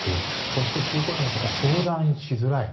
そして、中高年の方は相談しづらい。